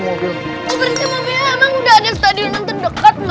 mobil mobilnya emang udah ada tadi nonton dekat